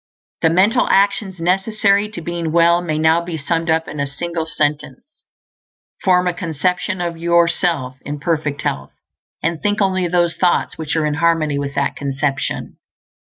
The mental actions necessary to being well may now be summed up in a single sentence: Form a conception of yourself in perfect health, and think only those thoughts which are in harmony with that conception.